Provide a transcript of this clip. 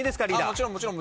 もちろんもちろん。